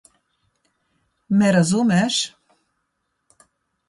Me razumeš?